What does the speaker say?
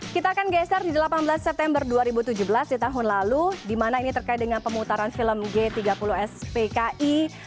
kita akan geser di delapan belas september dua ribu tujuh belas di tahun lalu di mana ini terkait dengan pemutaran film g tiga puluh spki